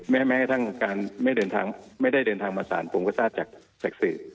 แม้ทั้งการไม่ได้เดินทางมาสรรค์ผมก็ต้าจากศักดิ์สื่อ